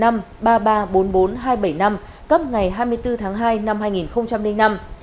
a một năm ba ba bốn bốn hai bảy năm cấp ngày hai mươi bốn tháng hai năm hai nghìn năm